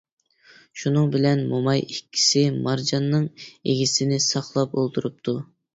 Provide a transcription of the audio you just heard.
شۇنىڭ بىلەن موماي ئىككىسى مارجاننىڭ ئىگىسىنى ساقلاپ ئولتۇرۇپتۇ.